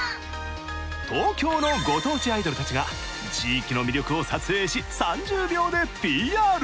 東京のご当地アイドルたちが地域の魅力を撮影し３０秒でＰＲ！